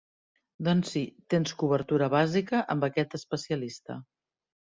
Doncs sí, tens cobertura bàsica amb aquest especialista.